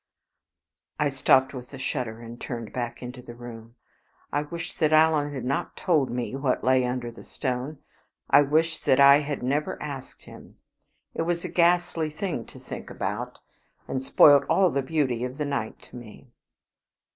I stopped with a shudder, and turned back into the room. I wished that Alan had not told me what lay under the stone; I wished that I had never asked him. It was a ghastly thing to think about, and spoilt all the beauty of the night to me.